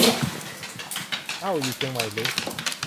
เอ้า อยู่เชียงใหม่รึ